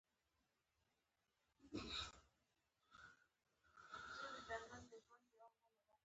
اوښكې مې بې اختياره وبهېدې.